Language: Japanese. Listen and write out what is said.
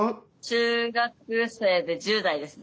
中学生で１０代ですね。